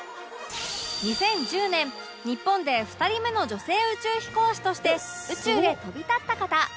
２０１０年日本で２人目の女性宇宙飛行士として宇宙へ飛び立った方